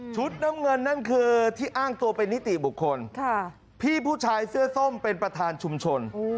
น้ำเงินนั่นคือที่อ้างตัวเป็นนิติบุคคลพี่ผู้ชายเสื้อส้มเป็นประธานชุมชน